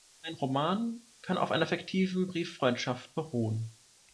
Ein Roman kann auf einer fiktiven Brieffreundschaft beruhen.